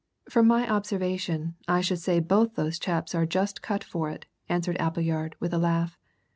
"From my observation, I should say both those chaps are just cut for it," answered Appleyard, with a laugh.